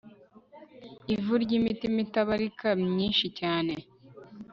Ivu ryimitima itabarika myinshi cyane